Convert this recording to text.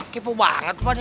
kepo banget lo deh